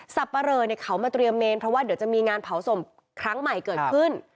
ปะเรอเขามาเตรียมเมนเพราะว่าเดี๋ยวจะมีงานเผาศพครั้งใหม่เกิดขึ้น